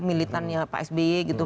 militannya pak sby gitu